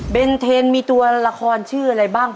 เวียนเทนต์มีตัวละครชื่ออะไรบ้างนะค่ะ